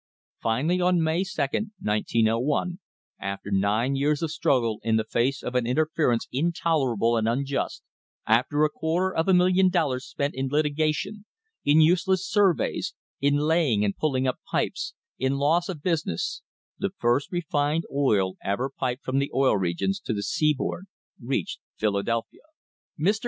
Finally, on May 2, 1901, after nine years of struggle in the face of an interference intoler able and unjust, after a quarter of a million dollars spent in litigation, in useless surveys, in laying and pulling up pipes, in loss of business, the first refined oil ever piped from the Oil Regions to the seaboard reached Philadelphia. Mr.